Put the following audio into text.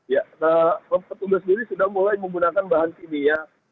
ya petugas sendiri sudah mulai menggunakan bahan kimia